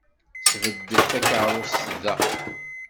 Sbeddet takeṛṛust da!